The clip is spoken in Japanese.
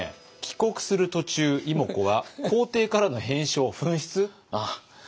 「帰国する途中妹子は皇帝からの返書を紛失？」。